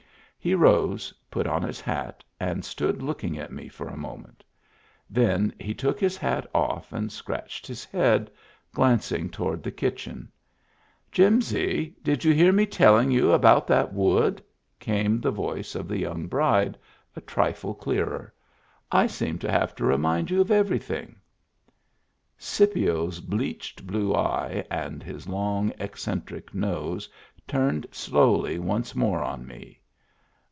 He rose, put on his hat, and stood looking at me for a moment Then he took his hat off and scratched his head, glancing toward the kitchen. " Jimsy, did you hear me telling you about that wood?" came the voice of the young bride, a Digitized by Google THE DRAKE WHO HAD MEANS OF HIS OWN 283 trifle clearer. " I seem to have to remind you of everything." Scipio's bleached blue eye and his long, eccen tric nose turned slowly once more on me.